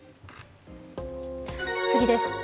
次です。